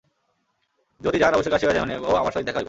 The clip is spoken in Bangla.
যদি যান, অবশ্যই কাশী হইয়া যাইবেন ও আপনার সহিত দেখা হইবে।